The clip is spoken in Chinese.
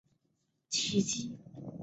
是一座登录建筑兼英国古迹。